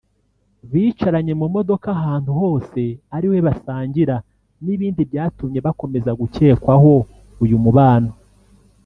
bicaranye mu modoka ahantu hose ariwe basangira n’ibindi byatumye bakomeza gucyekwaho uyu mubano